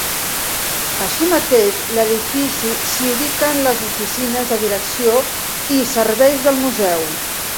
Així mateix l'edifici s'hi ubiquen les oficines de direcció i serveis del museu.